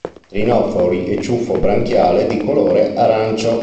Rinofori e ciuffo branchiale di colore arancio.